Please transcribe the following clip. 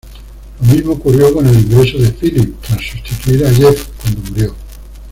Lo mismo ocurrió con el ingreso de Phillips, tras sustituir a Jeff cuando murió.